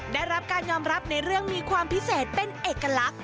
ได้รับการยอมรับในเรื่องมีความพิเศษเป็นเอกลักษณ